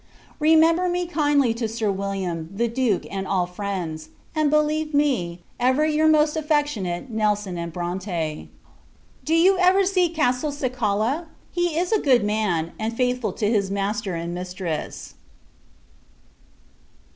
Remember me, kindly, to Sir William, the Duke, and all friends; and believe me, ever, your most affectionate NELSON & BRONTE. Do you ever see Castelcicala? He is a good man, and faithful to his master and mistress.